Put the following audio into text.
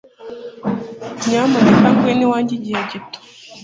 Nyamuneka ngwino iwanjye igihe gito.